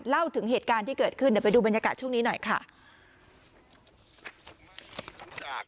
เล่าถึงเหตุการณ์ที่เกิดขึ้นเดี๋ยวไปดูบรรยากาศช่วงนี้หน่อยค่ะ